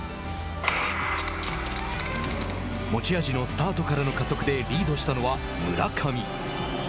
持ち味のスタートからの加速でリードしたのは村上。